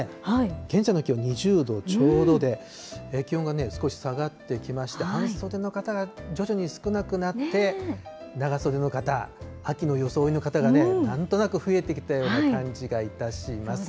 現在の気温２０度ちょうどで、気温が少し下がってきまして、半袖の方が、徐々に少なくなって、長袖の方、秋の装いの方がね、なんとなく増えてきたような感じがいたします。